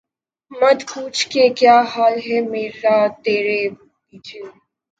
مت پوچھ کہ کیا حال ہے میرا ترے پیچھے